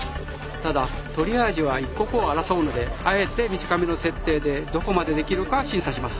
ただトリアージは一刻を争うのであえて短めの設定でどこまでできるか審査します。